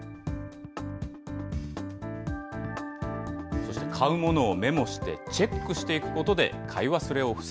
そして買うものをメモして、チェックしていくことで買い忘れを防